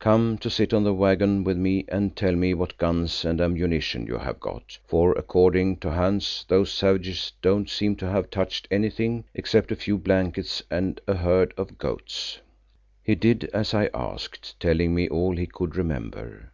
Come to sit on the waggon with me and tell me what guns and ammunition you have got, for according to Hans those savages don't seem to have touched anything, except a few blankets and a herd of goats." He did as I asked, telling me all he could remember.